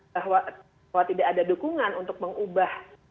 bahwa tidak ada dukungan untuk mengubah